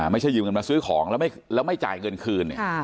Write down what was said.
ไม่ใช่ยืมเงินมาซื้อของแล้วไม่จ่ายเงินคืน